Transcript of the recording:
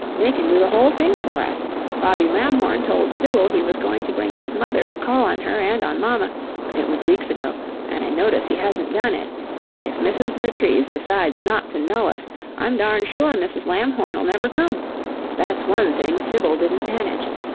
They can do the whole thing for us. Bobby Lamhorn told Sibyl he was going to bring his mother to call on her and on mamma, but it was weeks ago, and I notice he hasn't done it; and if Mrs. Vertrees decides not to know us, I'm darn sure Mrs Lamhorn'll never come. That's ONE thing Sibyl didn't manage!